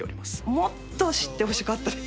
もっと知ってほしかったです